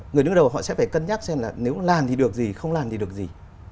người đứng đầu họ sẽ phải cân nhắc xem là nếu làm thì được gì không làm thì được gì